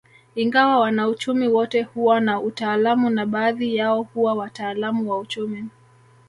Ingawa wanauchumi wote huwa na utaalamu na baadhi yao huwa wataalamu wa uchumi